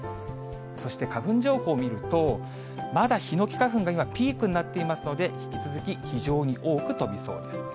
そして花粉情報見ると、まだヒノキ花粉がピークになっていますので、引き続き非常に多く飛びそうです。